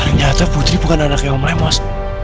ternyata putri bukan anak yang om lemos